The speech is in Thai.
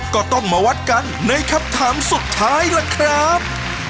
ก็ต้องมาวัดกันในคำถามสุดท้ายล่ะครับ